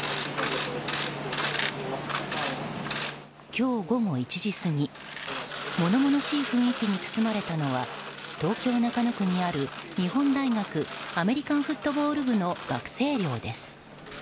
今日午後１時過ぎ物々しい雰囲気に包まれたのは東京・中野区にある日本大学アメリカンフットボール部の学生寮です。